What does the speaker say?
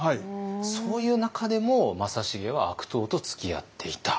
そういう中でも正成は悪党とつきあっていた。